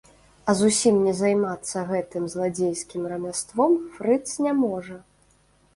А зусім не займацца гэтым зладзейскім рамяством фрыц не можа.